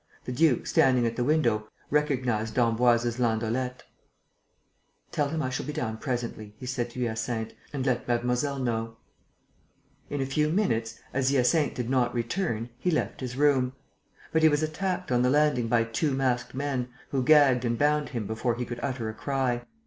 The duke, standing at the window, recognized d'Emboise's landaulette: "Tell him I shall be down presently," he said to Hyacinthe, "and let mademoiselle know." In a few minutes, as Hyacinthe did not return, he left his room. But he was attacked on the landing by two masked men, who gagged and bound him before he could utter a cry.